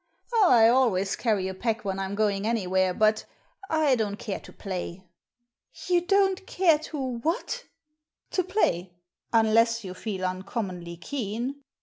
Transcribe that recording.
"" I always carry a pack when Tm going anywhere, but — I don't care to play.'' " You don't care to what ?"" To play — unless you feel uncommonly keen."